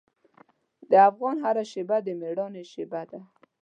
د افغان هره شېبه د میړانې شېبه ده.